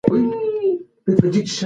دا کار مه کوئ ځکه چې ګټه نه لري.